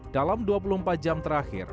dalam dua puluh empat jam terakhir